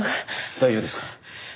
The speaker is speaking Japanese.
大丈夫ですか？